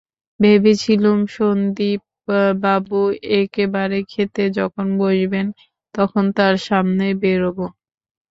ভেবেছিলুম, সন্দীপবাবু একেবারে খেতে যখন বসবেন তখন তাঁর সামনে বেরোব।